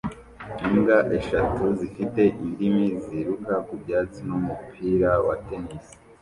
Imbwa eshatu zifite indimi ziruka ku byatsi n'umupira wa tennis